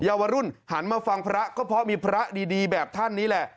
วรุ่นหันมาฟังพระก็เพราะมีพระดีแบบท่านนี้แหละ